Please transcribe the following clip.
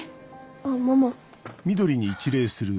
あっママ。